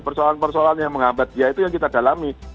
persoalan persoalan yang menghambat dia itu yang kita dalami